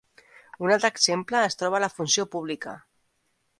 Un altre exemple es troba a la funció pública.